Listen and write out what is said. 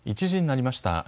１時になりました。